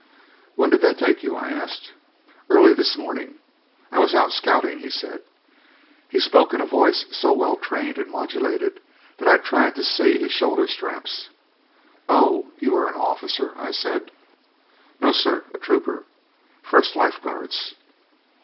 "When did they take you?" I asked. "Early this morning. I was out scouting," he said. He spoke in a voice so well trained and modulated that I tried to see his shoulder straps. "Oh, you are an officer?" I said. "No, sir, a trooper. First Life Guards."